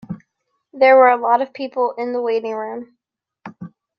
There were a lot of people in the waiting room.